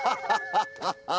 ハハハハ！